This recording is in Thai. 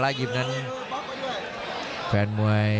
กำปั้นขวาสายวัดระยะไปเรื่อย